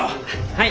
はい！